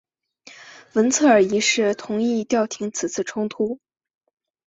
文策尔一世同意调停此次冲突。